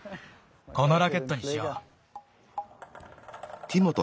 このラケットにしよう。